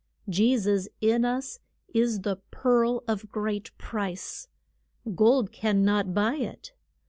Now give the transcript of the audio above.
Je sus in us is the pearl of great price. Gold can not buy it.